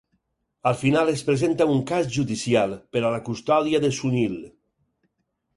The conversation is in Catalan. Al final es presenta un cas judicial per a la custòdia de Sunil.